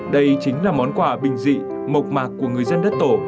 đây chính là món quà bình dị mộc mạc của người dân đất tổ